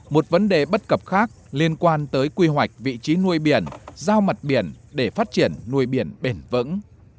một vấn đề bất cập khác liên quan tới quy hoạch vị trí nuôi biển giao mặt biển để phát triển nuôi biển bền vững